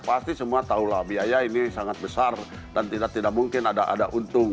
pasti semua tahulah biaya ini sangat besar dan tidak mungkin ada untung